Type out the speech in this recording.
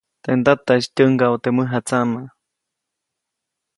Teʼ ndataʼis tyäŋgaʼu teʼ mäjatsaʼmaʼ.